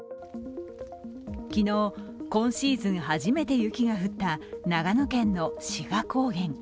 昨日、今シーズン初めて雪が降った長野県の志賀高原。